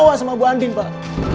bawa sama bu andin pak